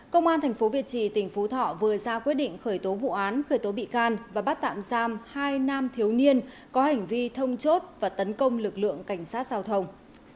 công an tp việt trì tỉnh phú thọ vừa ra quyết định khởi tố vụ án khởi tố bị can và bắt tạm giam hai nam thiếu niên có hành vi thông chốt và tấn công lực lượng cảnh sát giao thông